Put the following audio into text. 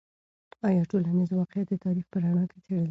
آیا ټولنیز واقعیت د تاریخ په رڼا کې څیړل کیږي؟